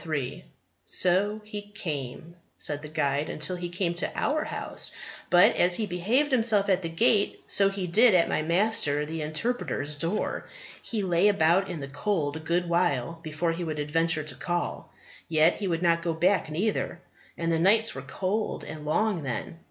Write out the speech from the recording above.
"So he came," said the guide, "till he came to our House; but as he behaved himself at the Gate, so he did at my Master the Interpreter's door. He lay about in the cold a good while before he would adventure to call. Yet he would not go back neither. And the nights were cold and long then.